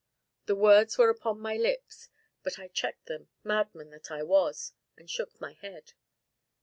The words were upon my lips, but I checked them, madman that I was, and shook my head.